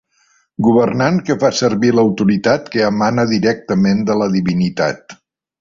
Governant que fa servir l'autoritat que emana directament de la divinitat.